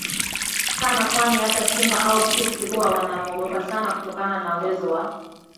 sana kwani hata simba au fisi huwa wana muogopa sana kutokana na uwezo wa